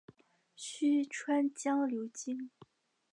虚川江流经。